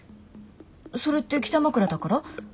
それって北枕だから？